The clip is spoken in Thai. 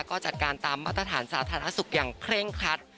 ก็จัดการตามมาตรฐานสาธารณสุขอย่างเคร่งครัด